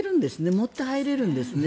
持って入れるんですね。